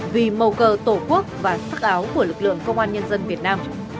vì mầu cờ tổ quốc và sắc áo của lực lượng công an nhân dân việt nam